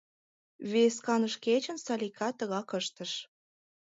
Вес каныш кечын Салика тыгак ыштыш.